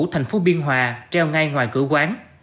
thành phố biên hòa treo ngay ngoài cửa quán